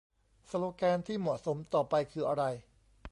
สโลแกนที่เหมาะสมต่อไปคืออะไร ?